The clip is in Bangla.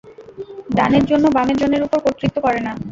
ডানের জন্য বামের জনের উপর কর্তৃত্ব করে না।